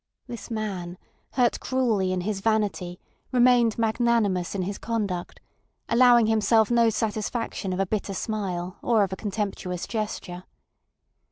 This man, hurt cruelly in his vanity, remained magnanimous in his conduct, allowing himself no satisfaction of a bitter smile or of a contemptuous gesture.